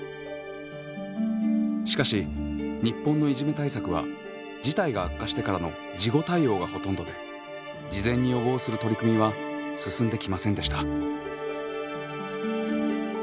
しかし日本のいじめ対策は事態が悪化してからの事後対応がほとんどで事前に予防する取り組みは進んできませんでした。